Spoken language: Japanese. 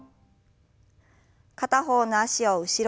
片方の脚を後ろに。